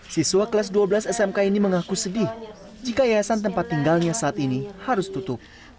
siswa kelas dua belas smk ini mengaku sedih jika yayasan tempat tinggalnya saat ini harus tutup